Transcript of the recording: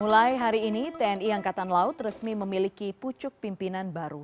mulai hari ini tni angkatan laut resmi memiliki pucuk pimpinan baru